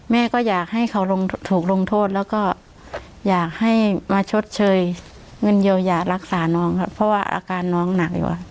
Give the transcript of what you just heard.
แม่ก็อยากให้เขาถูกลงโทษแล้วก็อยากให้มาชดเชยเงินเยียวยารักษาน้องค่ะเพราะว่าอาการน้องหนักอยู่